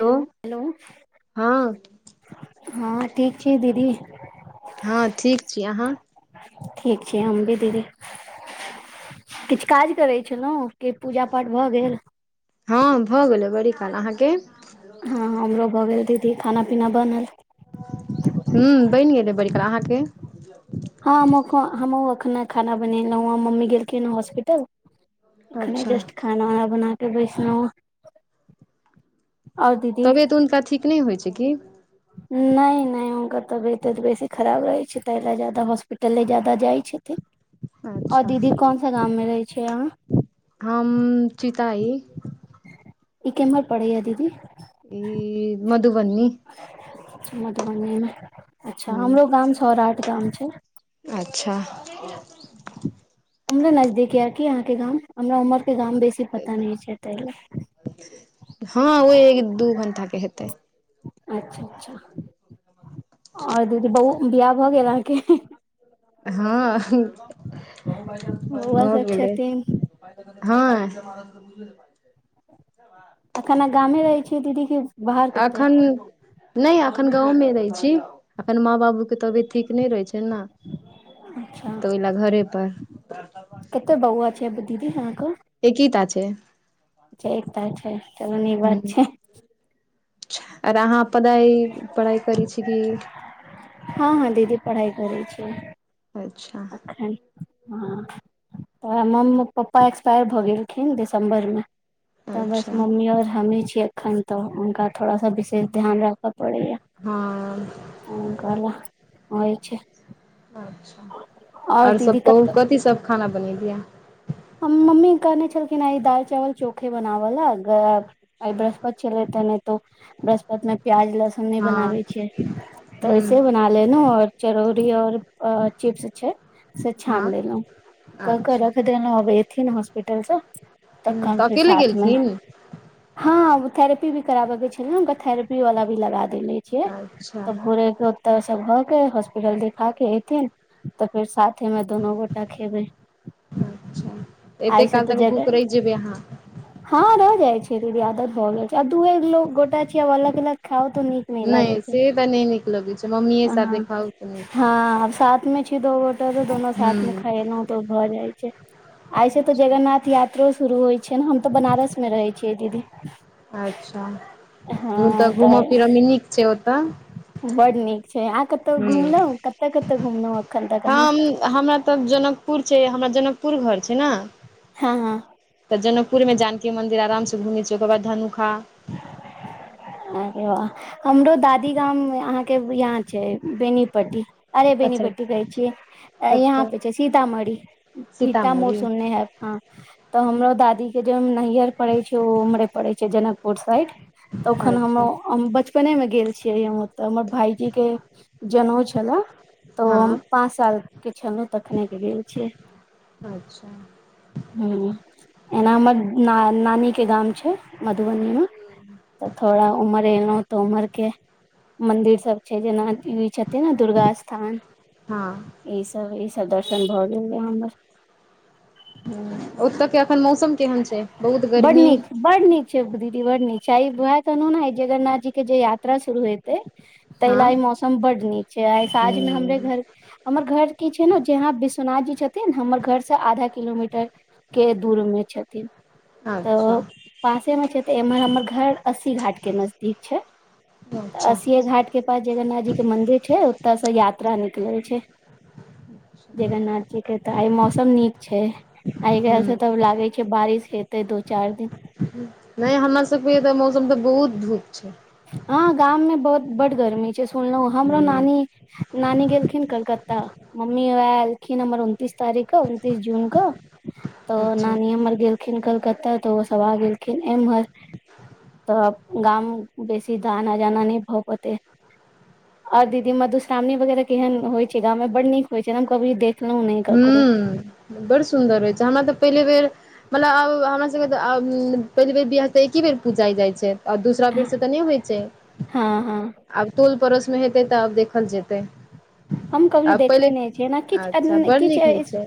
Hello hello हँ हँ ठीक छी दीदी हँ ठीक छी अहाँ [inaudible] ठीक छै हम [unintelligible] बी दीदी किछु काज करै छलहुँ कि पूजा पाठ भऽ गेल हँ भऽ गेलै बड़ी काल अहाँके हँ हमरो भऽ गेल दीदी खाना पीना बनल हुं बनि गेलै बड़ि अहाँके हँ हम हमहुँ एखने खाना बनेलहुँ मम्मी गेलखिन ह हॉस्पिटल एखने अच्छा जस्ट खाना उना बना कऽ बैसलहुँ आओर दीदी तबियत हुनका ठीक नहि होइ छै की नहि नहि हुनकर तबियतेऽ बेसी खराब रहैत छै ताहि ल जादा हॉस्पिटले जादा जाइत छथिन अच्छा आओर दीदी कोनस गाम में रहै छै यहाँ हम चीताइ ई केमहर पढ़ैया दीदी ई मधुबनी मधुबनी मे अच्छा हूँ हमरो गाम सौराठ गाम छै अच्छा उमरे नजदीक यैकि आहाँ के गाम हमरा उमर के गाम बेसी पता नहि छै ताहि ल हँ ओ एक दू घंटा के हेतै अच्छा अच्छा आओर दीदी बहु बियाह भऽ गेल अहाँके हँ बौआ भऽ सब गेलै छथिन हँ बा अखाना गामे रहै छियै दीदी की एखन नहि एखन गाँवमे नै छी एखन माँ बाबू तभी ठीक नहि रहै छै ने अच्छा तऽ ओहिल घरे पर कते बहुआ छै दीदी अहाँ क एकीता छै अच्छा एक टा छै चालु निक बात हूँ छै आर अहाँ पढ़ाइ पढ़ाइ करै छी कि हँ हँ दीदी पढ़ाइ करै छी अच्छा ह [unintelligible] तऽ म्म पप्पा एक्सपायर भऽ गेलखिन दिसम्बर मे तऽ बस अच्छा मम्मी और हमहि छीयै एखन तऽ हुनका थोड़ा सा विशेष ध्यान राखऽ पड़ैया हँ ह ह कलह होइ छै अच्छा और ओर दीदी सब कहूँ कतऽ कथी सब खाना बनेलियै हम्म मम्मी कहने छलखिन आय दाल चावल चोखे बनावले ग आई बृहस्पत छले ने तो बृहस्पत में प्याज लहसुन हम नहि हँ बनाबै छियै तऽ ऐसे ह्म बना लेलहु आओर चरौरी आओर चिप्स छै से हँ छानि लेलहुँ क के अच्छा रख देलहुं अबे एथिन हॉस्पिटलसँ ह्म तकन तऽ फ अकेले साथमे गेलखिन हँ ओ थेरेपी भी कराबे के छै ने हुनका थेरपी वाल भी लगा दे छिय अच्छा त भोरे के ओतऽ सब भ के हॉस्पिटल देखा के ऐथिन तऽ फेर साथे मे दुनू गोटा खेबै च् एते आइ से काल तऽ तक भूख जगह रहि जेबै अहाँ हँ रहि जाइ छैय दीदी आदत भ गेलइ छैय आ दूए गोटा छैय अलग अलग खाउ तऽ नि नहि लागै छैय से तऽ नहि नीक लगै छै मम्मीए साथे ह खाउ तऽ नीक हँ अब साथ मे छी दो गो दोनू साथ मे ह्म खैलहुं तऽ भऽ जाइ छैय। आईसँ तऽ जगन्नाथ यात्रो शुरू होइ छैय ने हम त बनारस मे रहै छियै दीदी। अच्छा तऽ घूमय फिरयमे नीक छैय ओतऽ? बड नीक छैय अहाँ कतौ ह्म घुमलहु कत कत घुमलहु? हम हमरा तऽ जनकपुर छैय हमरा जनकपुर घर छैय ने। हँ हँ तऽ जनकपुर में जानकी मन्दिर आराम से घुमै छी ओकर बाद धनुखा [inaudible] अरे वाह हमरो दादी गाम अहाँके यहाँ छैय बेनीपट्टी। अरे अच्छा बेनीपट्टी कहै छियै यहाँ कतऽ पे छैय सीतामढ़ी। भीटा मोर सीतामढ़ी से ओने हैत हँ। त हमरो दादी के जे नैहर पड़े छैय ओ उमरे पड़े छैय जनकपुर साइड। तऽ ओखन अच्छा हम बचपने मे गेल छियै हम ओतऽ हमर भायजी के जनउ छला। हँ पाँच साल के छलहुँ तखनेके गेल छियै। अच्छा ह एना हमर नानी के गाम छैय मध तऽ थोड़ा ऊम्हरे एलौ। तऽ उमहर के मंदिर सब छैय जेना ई छथिन ने दुर्गा स्थान हँ इ सब इ सब दर्शन भए गेल ये हमर। हूं ओतऽ के एखन मौसम केहन छैय? बड़ नीक। बड नीक छैय दीदी बड नीक छैय आ ई वेह कहनू ने जगन्नाथ जी के जे यात्रा शुरू हेतै ताहि हँ ल ई मौसम बड नीक छैय आइ साँझमे हमरे हूँ घर हमर घर की छैय ने जहां विश्वनाथ जी छथिन हमर घर से आधा किलोमीटर के दूरमे छथिन। अच्छा तऽ पासे मे छथी तऽ एम्हर हमर घर अस्सी घाट के नजदीक छैय त अच्छा अस्सीे घाट के पास जगन्नाथ जी के मंदिर छैय ओत से यात्रा निकलै छैय। जगन्नाथ जी के तऽ आ मौसम नीक छैय। आइ काल्हि से हूँ तब लागै छैय बारिश हेतै दू चारि दिन। नहि हमरा सबकेऽ मौसम तऽ बहुत धूप छैय। हँ गाम में बहुत बड्ड गर्मी छैय सुनलहु हमरो हूँ नानी नानी गेलखिन कलकत्ता मम्मी ओएह एलखिन हमर उनतीस तारीख क उनतीस जून क तऽ अच्छा नानी हमर गेल खिन कलकत्ता त ओसभ आ गेलखिन एम्हर त गाम बेसी दाना जाना नहि भ पैतय। आओर दीदी मधुश्रावी वगैरह केहन होइ छैय गाँव मे बड नीक होइ छैय न हम कभी देख ह्म बड़ सुन्दर होइ छैय हमरा तऽ पहिले बेर मतलब आब हमरा सबके त पहिल बेर बियाह एकी बेर पूजाइ जाय छैय। आ दूसरा बेर से तऽ नहि होइ छैय हँ हँ आब टोल पड़ोस मे हेतै तऽ आब देखल जेतै। हम कभि आ देखने पहिले नहि छियै ओना किछु अच्छा बड़ नीक होइ किछु छै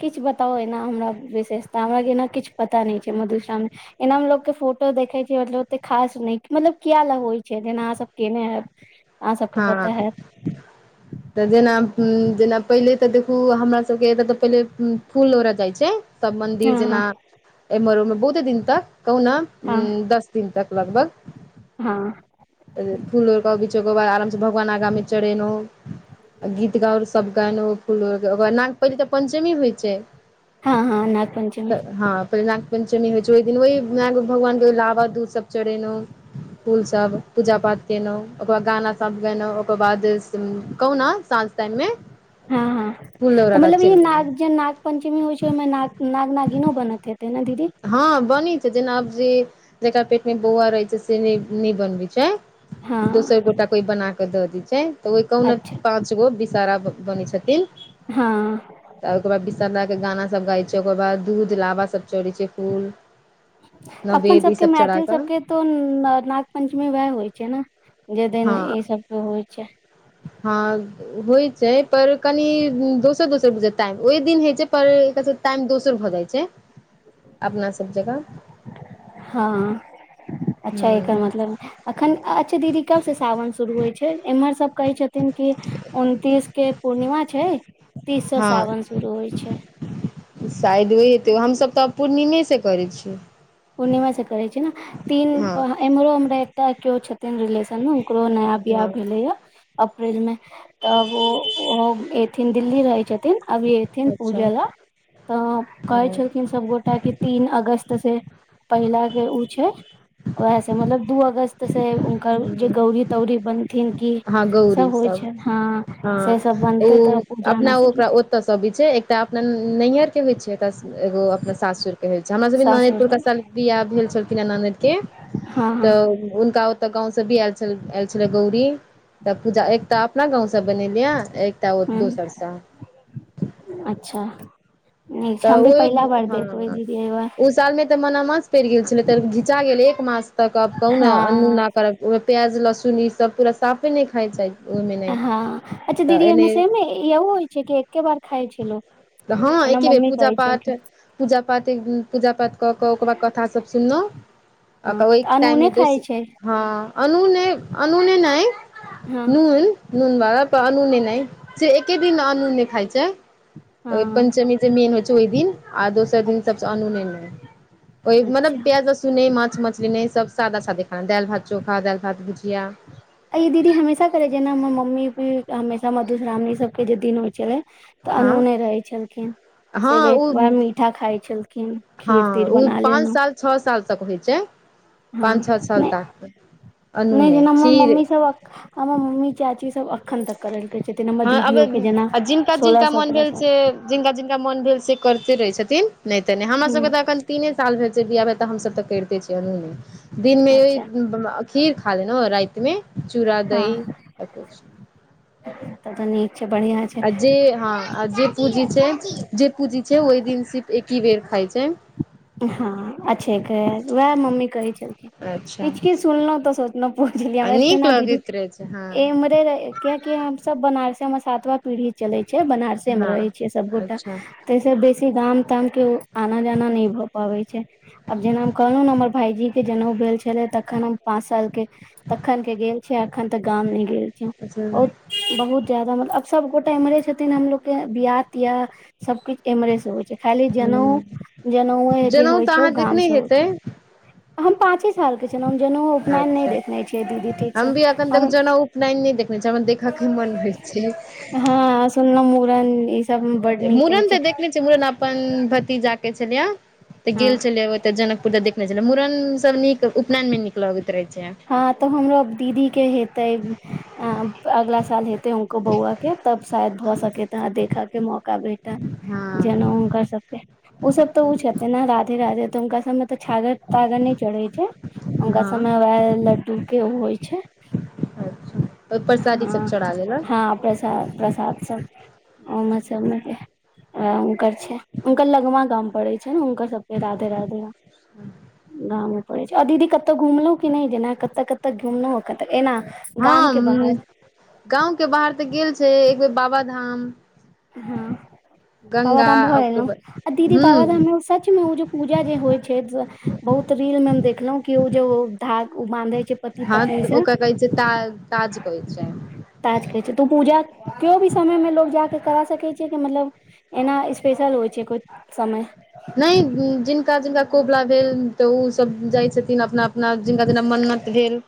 किछु बताउ एना हमरा विशेषता हमरा के एना किछु पता नहि छैय मधुश्रामनी एना मे लोकोग के फोटो देखे छी मतलब ओते खास निक मतलब किया लग होई छैय जेना आहां सब केने हैब। [inaudible] हँ पता हैत तऽ जेना जेना पहिले तऽ देखू हमरा सबके एतऽ पहिले फूल लोड़य जाइ छै सब हँ मंदिर हँ जेना एमहर ओ मे बहुते दिन तक कहुँ न उ हँ दस दिन तक लगभग हँ फूल लौरक ओर बाद आरामसँ भगवान आगाँमे चढ़ेलहुँ गीत गाउर सब गाय फूलक न पहिल त पंचमी होइ छै हँ हँ नाग पंचमी त हँ पहि पंचमी होइ छै ओहि दिन ओहि भगवान के लाबा दूधसभ चढ़ेनौ फूलसभ पूजा पाठ केेलहुँ ओकर बाद गाना सब गेलनौ ओकर बाद कहुना साँझ तान हँ हँ तऽ मतलब ई चलि गेलहुँ नाग जे नाग पञ्चमी होइ छै ओहिमे न नाग नागिनो बनत हेतै ने दीदी हँ बनी छै जेना आब जे जेकरा पेट मे बौआ रहै छै से नहि बनबै छै दोसर हँ गोटा कोइ बना कऽ दऽ दै छै ओहि कहु ने अच्छा पाँच गो विषहरा बनै छथिन हँ त ओकर बाद विशा के गाना सब गाइ छै ओकर बाद दूध लाबा सब चड़ै छै फूल अपन नवेद ई सबके सब चढ़ा मैथिल कऽ सबके तो नाग पंचमी वएह होइ छै न जे दिन हँ ई सब के होइ छै हँ होइत छै पर कनि दोसर दोसर बुझे टाइम ओहि दिन होइत छै पर एक टाइम दोसर भऽ जाइ छै अपना सब जेका हँ अच्छा एकर ह मतलब अखन अच्छा दीदी कबसँ सावन शुरू होइ छै एम्हर सब कहै छथिन कि उनतीस के पूर्णिमा छै तीस स सावन हँ शुरू होइ छै शायद ओ हेतै हमसभ तऽ पूर्णिमेसँ करै छीयै पूर्णिमे से करै छै ने तीन हँ एम्हरो हमरा एकटा केओ छथिन रिलेशन ओकरो नया बियाह हँ भेलै या अप्रल मे तब ओ ओहो एथिन दिल्ली रहै छथिन अभी एथिन अच्छा पूजा लऽ तऽ कहै ह छलखिन सबगोटा की तीन अगस्त से पहिला के उ छै वएह से मतलब दू अगस्त से हुनकर जे गौरी तौरी बनथिन की हँ गौरी सब होइ छै हँ से सब बनतै त पूजा न सब त सब भी छै एकटा अपन न नैहर के होय छै ए त एगो अपना सासुर के होय छै हमरा सबके नोनइद सासुर क सब साल बियाह भेल छलखिन हे ननद के हँ हँ तऽ हुनका तऽ गाँव से भी आय आयल छलै गौरी तऽ पूजा एक त अपना गाँंवसँ बनेलिय एकटाओ ह दोसरसँ अच्छा नै तऽ हम भी पहिला बार देखबेै दीदी एहि बार साल मे तऽ मनामास पड़ि गेल छलै त घिचा गेल एक मास तक अब कहु ने हँ अनूना करब ओहिमे प्याज लहसुन ई सब पूरा साफे नहि खाइ छै ओहिमे नहि हँ अच्छा तऽ दीदी एने सेमे ए कि होइ छै कि एके बार खाय छै लोक हँ एना एके बेर मम्मी पूजा कहै पाठ छलखिन पूजा पाति पूजा पाठ कऽ कऽ ओक बाद कथास सब सुनलहुँ आ हँ ओहि तऽ अनूने टाइममे दोस खाइ छै हँ अनु अनुने नै हँ नून नून बारब अनूने नहि से एके दिन अनू्न खाइ छै हँ पञ्चमी मेन होइ छै ओइ दिन आ दोसर दिन सबसे अनूने अच्छा मतलब प्याज सुने माछ मछली नई सब सादा सादी खाना दालि भात चोखा दालि भात भुजिया अई दीदी हमेशा करै जेना हमर मम्मी उी हमेशा मधुश्रावणी सबके जे दिन होइ छलै तऽ हँ अनूने रहै छलखिन से हँ एक ओ बार मीठा खाय छलखिन खीर हँ तीर ऊ बना पाँच लेलहुँ साल छ साल तक होइ छै हँ पाँन छ साल नहि ताक अनुने खीर शक हमर मम्मी चाची सब एखन तक करेलकै छथिन हमर हँ अब दीदियो के जेना आ जिनका सोलह जिनका मोन सत्ररह भेल साल से जिनका जिनका मोन भेल से करते रहै छथिन नहि तऽ नहि हमरा सबके तऽ ह अखन तीने साल भेल छै बियाह भेल तऽ हमसभ तऽ करिते छियै अनुने दिनमे अच्छा [unintelligible] खीर खा देन रातिमे चूड़ा दही हँ सब किछ तब तऽ नीक छै बढ़ियां आ जे हँ जे पूँजी छै जे पूँजी छै ओहि दिन सिर्फ एकी बेर खाइ छै [unintelligible] वएह मम्मी कहै छै अच्छा किछु किछु सुनलहु तऽ सोचलहु पहुचलियै आ हम नीक इतना दीन लगैत रहै छै हँ ए मरे रये कियाकि हम सब बनारसे मे सातवा पीढ़ी चले छै बनारसे मे रहे हँ छियै सबगोटा अच्छा त त बेसी गाम ताम के उ आना जाना नै भ पबै छै आब जेना हम कहलहुँ ने हमर भाईजी के जनउ भेल छलै तखन हम पाँच साल के तखन के गेल छिये अखन तऽ गाम नहि गेल छे अच्छा उत बहुत ज्यदाा मतलब आब सभगोटा मरे छथिन हमलोगके बियाह तियाह सबकिछु एम्हरे से होइ छै खाली जनेउ ह जनेउए जे जनउ होइ तऽ छै ओ अहाँ गाम देखने से होइ हेतै छै हम पाँचे सालके छलहुँ हम जनेउ उपनयन नहि अच्छा देखने छियै दीदी ठीकसँ हम भी एखन तक हम जनेउ नहि नै देखने छ हमर देखय के मन होइ छै हँ सनलोऊ मुरन इछ मूड़न तऽ देखनेे छियै मूड़न अपन भतीजाक के छलियै तऽ हँ गेल छलियै एगो तऽ जनकपुर त देखने छले मूड़न सब नीक उपनयन मे नीक लगैत रहे छै हँ तऽ हमरो दीदीके हेतै अ अगला साल हेतेै उको बौआ के तब शायद भऽ सकै त ह देखऽ के मौका भेटए जेनाउ हँ हुनक सबके ओ सब तऽ ओ छथिे ने राजपू तऽ हुनका सबमे तऽ छागर तागर नहि चढ़े छै हुनका हँ सबमे वेह लड्डू के ओ होइ छै अच्छा ओहिपर साड़ी सब हँ चढ़ा देलक हँ प्रसाद प्रसाद सब उमर से नइ ये आ उनकर छइ मे उनकर लगमा गाम पड़े छै छै हुनकर सबके राधे राधे गाम पड़ै छै दीदी कतहु घुमलहुं कि नहि जेना कत कत घुमलहुं कत एना गाम के बाहर हँ गाँव के बाहर तऽ गेल छै एक बेेर बाबाधाम हँ गंगा बाबाधाम भऽ एलौं ओकर बाद आ दीदी हूँ बाबाधाममे सचमे ओ जे पूजा जे होइ छै बहुत रील मे हम देखलहुं कि ओ जे धाग बाँधै छै पति हँ पत्नी तऽ से ओकरा कहै छै ताग ताज कहै छै ताज कहै छै तू पूजा केओ भी समय मे लोग जाक करा सकै छियै कि मतलब एना स्पेशल होइ छै कोय समय नहि जिनका जिनका कोबला भेल तऽ उ सब जाइ छथिन अपना अपना जिनका जेना मन्नत भेल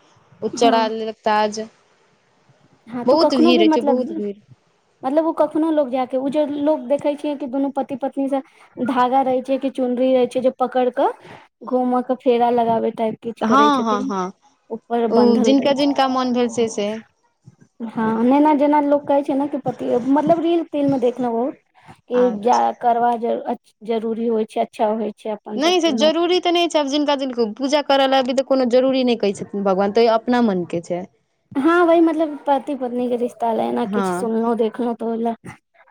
ओ हँ चरहा लेलक ताज हँ तो बहुत कखनो भीड़ भी होय छै मतलब बहुत भीड़ मतलब ओ कखनो लोग जायके उ जे लोग देखै छियै कि दुनू पति पत्नीसँ धागा रहे छै कि चुनरी रहे छै जे पकड़ के घूम के फेरा लगाबे टाइप किछु हँ करै हँ छथिन हँ ऊपर ओ बन्धल रहै जिनका छै जिनका मोन भेल से से हँ नेना जेना लोक कहै छै ने कि पति मतलब रील तिल मे देखलहुँ बहुत ई जा अच्छा करवा जरू अत जरूरी होइ छै इच्छा होइ छै नहि जे सबके जरूरी मैथिल। तऽ नहि छै आब जिनका जिनको पूजा कर ल अी तऽ कोनो जरूरी नहि कहै छथिन भगवान तइयो अपना मन के छै हँ वही मतलब पति पत्नी के रिश्ता ले ने हँ किछु सुनलहुं देखलहुं तऽ ओहि लए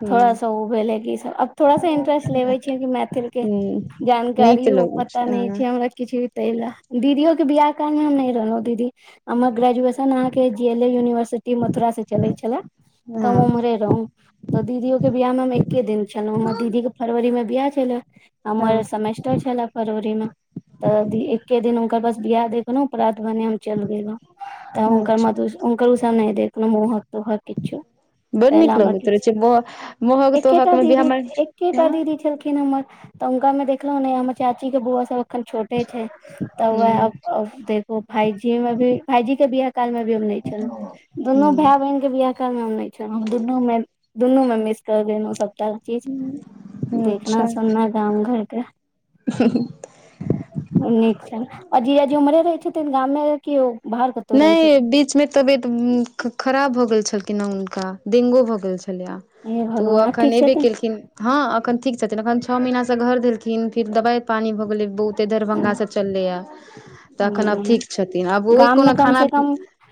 ह थोड़ा सा उ भेलै कि अब थोड़ा सा इंट्रेस्ट लेबे छियै कि मैथिल के ह जानकारी नीक ओ लगै पता नहि हँ छै हमरा किछ भी तेय ले दीदियो के बियाह काल में हम नइ रहोऊ दीदी हमर ग्रेजुयेशन न अहाँ के G L A university Mathura से चले छले तऽ हम हँ उम्हरे रहौ तऽ दीदियो के बियाह मे हम एके दिन छलहुँ दीदीे के फरवरी मे बियाह छलै हमर हँ सेमेस्टर छले फरवरी में तऽ एके दिन हुनकर बस बियह देखहु प्रात भने हम चल गेलहुं तऽ उनकर अच्छा मधूस उनकर उसब नै देखनो मोहक तोहक किछो बड ताहि लए नीक हमरा लगैत रहै किछु छै महक तोहक एकेटा मे भी दीदी हमर एकेटा हँ दीदी छलखिन हमर त उनका में देखलोऊ नै हमर चाची के बोऊआ सब एखन छोट छै तब हूं वह देख फाइव जी मे भी फाइ जी काल मे भी हम नहि छलहु दुनू भाय ब हूं अहीं के बीयाह काल मे हम नहि छलोऊ दुनू मे दुनू मे मिस क गेलोऊ सब सब चीज देखना अच्छा सुनना गाम घरके नीक छनि आ जीजाजी उम्रे रहै छथिन गामे कि ओ बाहर कतो नहि बीचमे तबियत खराब भऽ गेल छलखिन हें हुनका डेंगो भऽ गेल छलैया हे तऽ ओ भगवान आब एखन ठीक एयबे छथिन केलखिन हँ एखन ठीक छथिन एखन छ महीनासँ घर देलखिन फिर दबाइ पानी भऽ बहुते दरभंगा से चललै ह तऽ तखन आब ठीक छथिन आब गाम मे कोना कम से खाना कम